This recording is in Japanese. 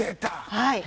はい。